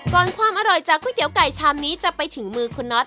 ความอร่อยจากก๋วยเตี๋ยไก่ชามนี้จะไปถึงมือคุณน็อต